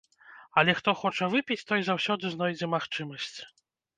Але хто хоча выпіць, той заўсёды знойдзе магчымасць.